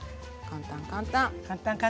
簡単簡単。